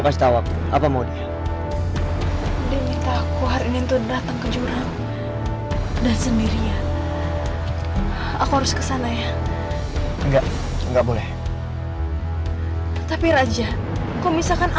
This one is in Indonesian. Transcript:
saya mulai cara ada orang di luar sana